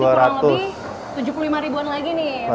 ini kurang lebih tujuh puluh lima ribuan lagi nih